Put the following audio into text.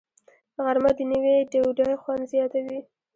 غرمه د نیوي ډوډۍ خوند زیاتوي